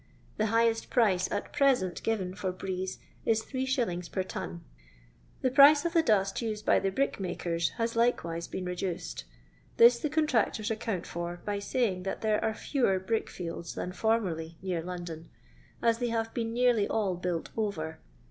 The highoit price at present given for " briezo " is Z». per ton. The price of the dust used by the brickmakers has likewise been reduced; this the contractors account for by saying that there are fewer brick fields ^han formerly near London, as they have been nearly all built over.